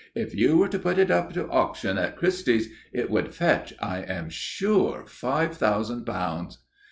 If you were to put it up to auction at Christie's it would fetch, I am sure, five thousand pounds."